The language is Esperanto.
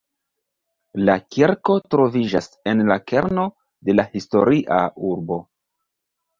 La kirko troviĝas en la kerno de la historia urbo.